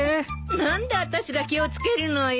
何であたしが気を付けるのよ。